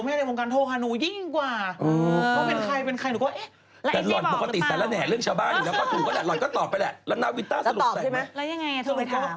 แล้วนาวินต้าสรุปแสดงไหมแล้วยังไงโทรไปถาม